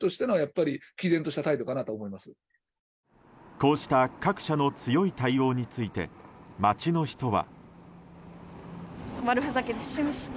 こうした各社の強い対応について街の人は。